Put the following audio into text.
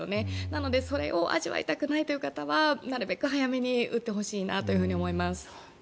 なのでそれを味わいたくないという方はなるべく早めに打ってほしいなと思います。